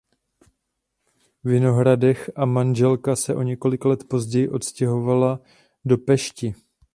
Vinohradech a manželka se o několik let později odstěhovala do Pešti.